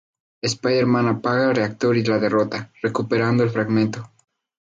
Spider-Man apaga el reactor y la derrota, recuperando el fragmento.